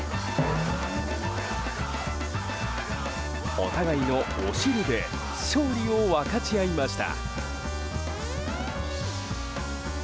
お互いのお尻で勝利を分かち合いました。